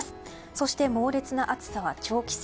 そして猛烈な暑さは長期戦。